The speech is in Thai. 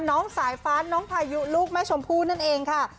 น้องสายฟ้าน้องพายุลูกแม่ชมพู่นั่นเองค่ะ